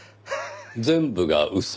全部が嘘。